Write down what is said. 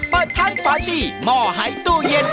เปิดทั้งฝาฉี่ม่อหายตู้เย็น